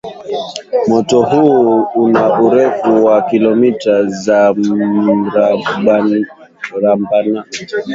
Mto huu una urefu wa kilometa za mrabamia nane